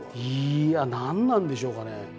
いや何なんでしょうかね。